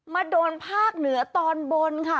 มาโดนภาคเหนือตอนบนค่ะ